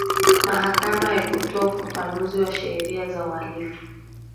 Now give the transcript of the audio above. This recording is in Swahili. mahakama haikutoa ufafanuzi wa sheria za uhalifu